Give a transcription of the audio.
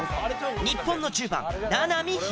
日本の１０番名波浩。